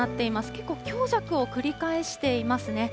結構、強弱を繰り返していますね。